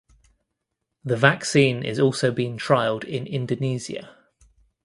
The vaccine is also being trialed in Indonesia.